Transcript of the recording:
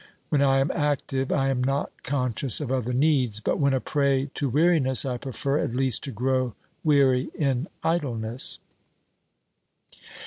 When I am active I am not con scious of other needs, but when a prey to weariness I prefer at least to grow weary in idleness.